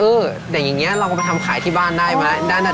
เอออย่างนี้ลองมาทำขายที่บ้านได้ไหม